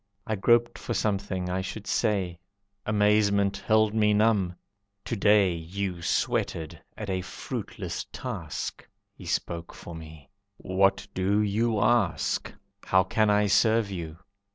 I groped for something I should say; Amazement held me numb. "To day You sweated at a fruitless task." He spoke for me, "What do you ask? How can I serve you?"